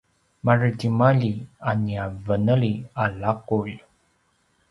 maretimalji a nia veneli a laqulj